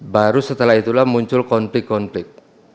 baru setelah itulah muncul konflik konflik